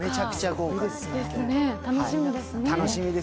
楽しみですね。